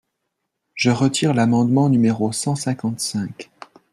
Je retire l’amendement numéro cent cinquante-cinq.